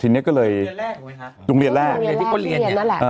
ทีเนี้ยก็เลยลงเรียนแรกไหมคะลงเรียนแรกที่ก็เรียนเนี้ยเอ่อ